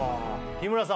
日村さん